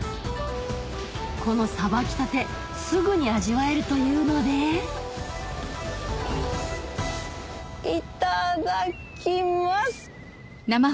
このさばきたてすぐに味わえるというのでいただきます！